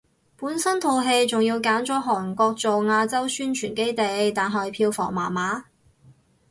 本身套戲仲要揀咗韓國做亞洲宣傳基地，但係票房麻麻